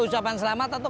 ucapan selamat atau